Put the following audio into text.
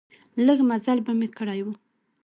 لږ مزل به مې کړی و.